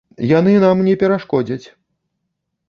Яны нам не перашкодзяць!